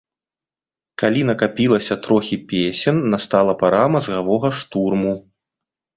Калі накапілася трохі песен, настала пара мазгавога штурму.